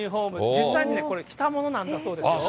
実際にこれ、着たものなんだそうですよ。